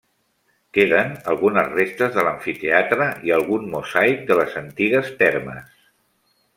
Queden algunes restes de l'amfiteatre, i algun mosaic de les antigues termes.